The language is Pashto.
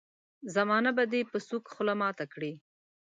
زمانه به دي په سوک خوله ماته کړي.